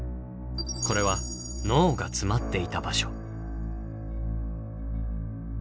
これは脳が詰まっていた場所。